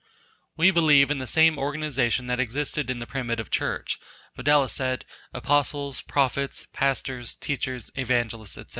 We believe in the same organization that existed in the primitive church, viz, apostles, prophets, pastors, teachers, evangelists &c.